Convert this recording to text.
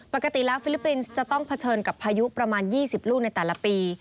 ปกติแล้วฟิลิปปินส์จะต้องเผชิญกับพายุประมาณ๒๐ลูกในแต่ละปี